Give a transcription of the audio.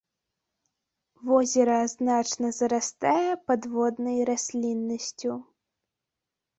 Возера значна зарастае падводнай расліннасцю.